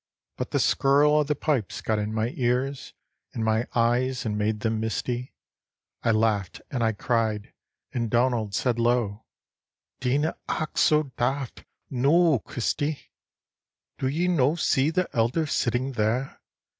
But the skirl o' the pipes got in my ears, In my eyes, and made them misty; I laughed and I cried, and Donald said low: "Dinna act so daft, noo, Christy!" "Do ye no see the elder sitting there?